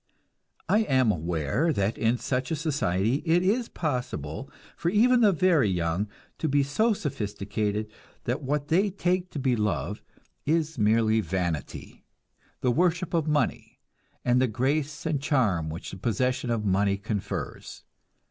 I am aware that in such a society it is possible for even the very young to be so sophisticated that what they take to be love is merely vanity, the worship of money, and the grace and charm which the possession of money confers.